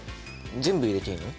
全部入れていいの？